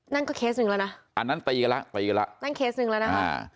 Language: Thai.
นั่นก็เคสหนึ่งแล้วนะอันนั้นตีกันแล้วตีกันแล้วนั่นเคสหนึ่งแล้วนะฮะ